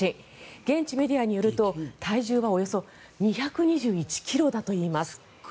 現地メディアによると、体重はおよそ２２１ｋｇだといいます。